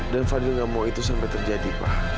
dan fadil gak mau itu sampai terjadi pak